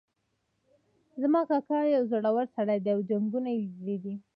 زما کاکا یو زړور سړی ده او جنګونه یې لیدلي دي